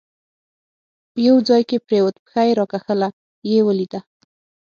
یو ځای کې پرېوت، پښه یې راکښله، یې ولیده.